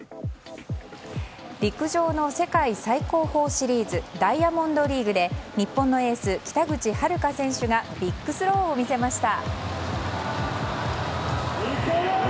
陸上の世界最高峰シリーズダイヤモンドリーグで日本のエース、北口榛花選手がビッグスローを見せました。